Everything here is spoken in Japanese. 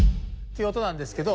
いう音なんですけど。